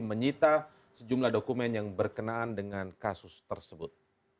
menyita sejumlah dokumen yang berkenaan dengan kasus tersebut